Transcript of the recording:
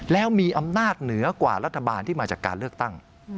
แล้วมีอำนาจเหนือกว่ารัฐบาลที่มาจากการเลือกตั้ง